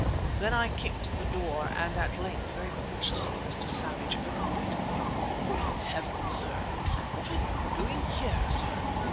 Then I kicked the door, and at length, very cautiously, Mr. Savage opened it. "Good heavens, sir," he said, "what are you doing here, sir?